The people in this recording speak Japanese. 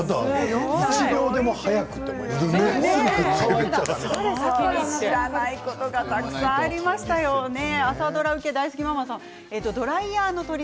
１秒でも早くとか知らないことがたくさんありましたね。